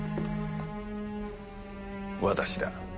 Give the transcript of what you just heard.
私だ。